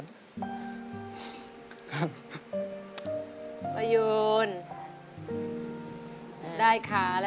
ขอบคุณค่ะ